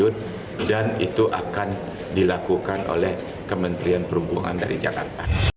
dan itu akan dilakukan oleh kementerian perhubungan dari jakarta